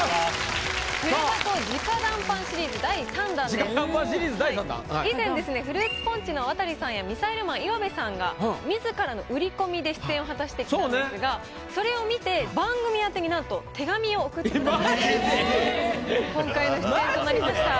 「プレバト」以前ですねフルーツポンチの亘さんやミサイルマン岩部さんが自らの売り込みで出演を果たしてきたんですがそれを見て番組宛てになんと手紙を送ってくださって今回の出演となりました。